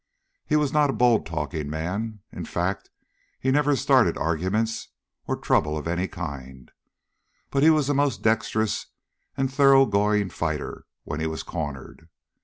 He was not a bold talking man. In fact he never started arguments or trouble of any kind; but he was a most dexterous and thoroughgoing fighter when he was cornered.